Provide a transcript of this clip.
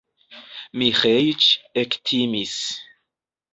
Miĥeiĉ ektimis.